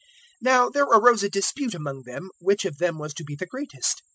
009:046 Now there arose a dispute among them, which of them was to be the greatest.